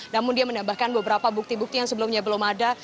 namun dia menambahkan beberapa bukti bukti yang sebelumnya belum ada